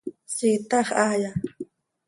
¿Siitax haaya?